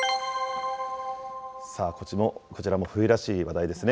さあ、こちらも冬らしい話題ですね。